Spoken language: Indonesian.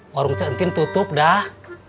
warung centin tutup dah